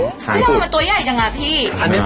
นี่มันตัวใหญ่จังหรอพี่